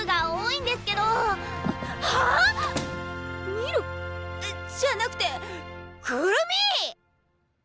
ミルじゃなくてくるみ！